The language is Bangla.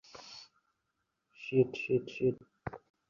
Sheet, shit, sheet!